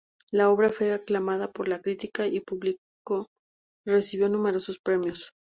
La obra fue aclamada por la crítica y el público, y recibió numerosos premios.